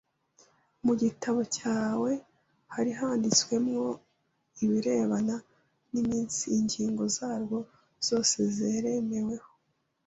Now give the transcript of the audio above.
mu gitabo cyawe hari handitswemo ibirebana n’iminsi ingingo zarwo zose zaremeweho.”